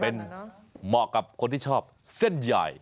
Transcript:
เป็นเหมาะกับคนที่ชอบเส้นใหญ่